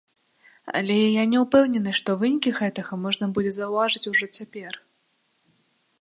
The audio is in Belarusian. Але я не ўпэўнены, што вынікі гэтага можна будзе заўважыць ужо цяпер.